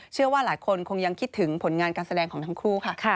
เชื่อว่าหลายคนคงยังคิดถึงผลงานการแสดงของทั้งคู่ค่ะ